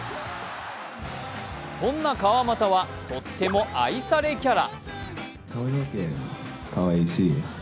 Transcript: そんな川真田は、とっても愛されキャラ。